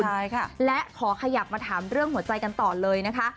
ใช่ค่ะและขอขยับมาถามเรื่องหัวใจกันต่อเลยนะคะ